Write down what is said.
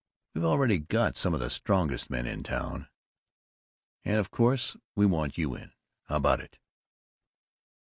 We've already got some of the strongest men in town, and of course we want you in. How about it?"